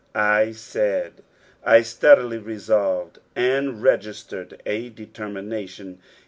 ''I taid." I Bteadilj resolved and registered ft determination.